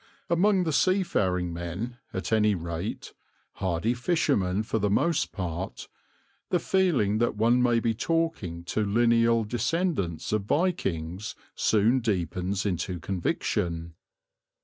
Among the sea faring men, at any rate, hardy fishermen for the most part, the feeling that one may be talking to lineal descendants of Vikings soon deepens into conviction.